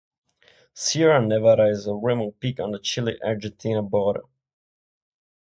Sierra Nevada is a remote peak on the Chile-Argentina border.